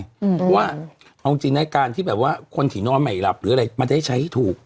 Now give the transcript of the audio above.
เพราะว่าเอาจริงนะการที่แบบว่าคนที่นอนใหม่หลับหรืออะไรมันจะได้ใช้ถูก